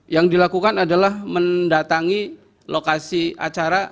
yang dilakukan adalah mendatangi lokasi acara